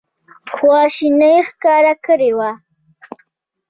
خواشیني ښکاره کړې وه.